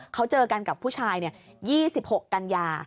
เขาเจอกันกับผู้ชาย๒๖กันยา